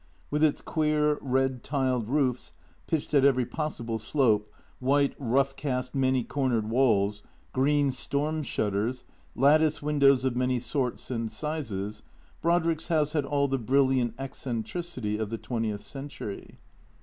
With its queer, red tiled roofs, pitched at every possible slope, white, rough cast, many cornered walls, green storm shutters, lattice windows of many sorts and sizes, Brodrick's house had all the brilliant eccentricity of the twentieth century.